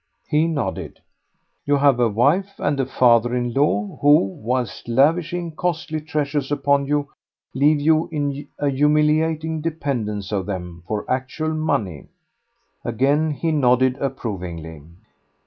He nodded. "You have a wife and a father in law who, whilst lavishing costly treasures upon you, leave you in a humiliating dependence on them for actual money." Again he nodded approvingly.